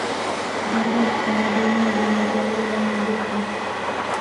جګړه د تمدنونو د ویجاړۍ لامل ګرځي.